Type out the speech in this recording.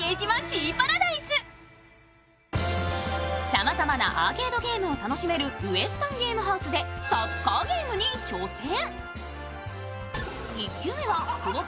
さまざまなアーケードゲームを楽しめるウエスタンゲームハウスでサッカーゲームに挑戦。